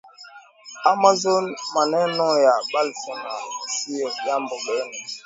Amazon Maneno ya Bolsonaro sio jambo geni